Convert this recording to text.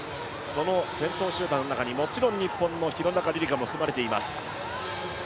その先頭集団の中に、もちろん日本の廣中璃梨佳も含まれています。